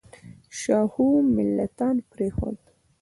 شاهو ملتان پرېښود.